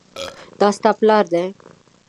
دا ستا پلار دی؟